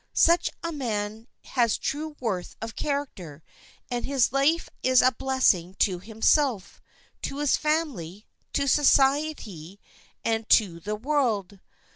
Such a man has true worth of character, and his life is a blessing to himself, to his family, to society, and to the world.